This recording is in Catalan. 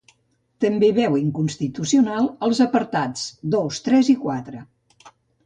També veu inconstitucional els apartats dos, tres i quatre.